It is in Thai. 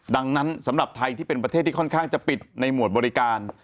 ดังนั้นสำหรับไทยที่เป็นประเทศที่ค่อนข้างจะปิดในหมวดบริการ